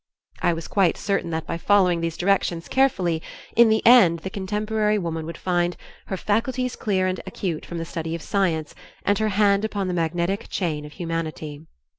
I was quite certain that by following these directions carefully, in the end the contemporary woman would find "her faculties clear and acute from the study of science, and her hand upon the magnetic chain of humanity."